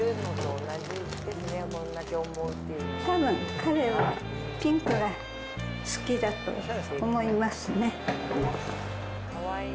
たぶん、彼はピンクが好きだと思いますね。